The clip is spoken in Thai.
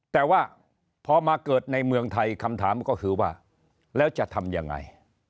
แต่ว่าพอมาเกิดในเมืองไทยคำถามก็คือว่าแล้วจะทำยังไง